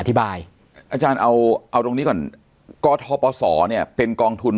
อธิบายอาจารย์เอาเอาตรงนี้ก่อนกศตรเนี้ยเป็นกองทุน